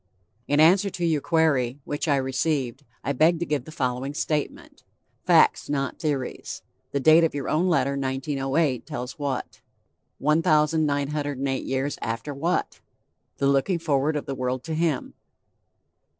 "In answer to your query, which I received, I beg to give the following statement. Facts, not theories. The date of your own letter 1908 tells what? 1908 years after what? The looking forward of the world to Him."